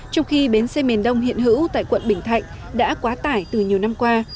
trong khi bến xe miền đông hiện hữu tại quận bình thạnh đã quá tải từ nhiều năm qua